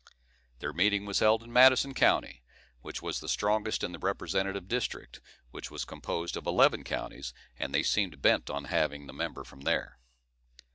Their meeting was held in Madison county, which was the strongest in the representative district, which was composed of eleven counties, and they seemed bent on having the member from there.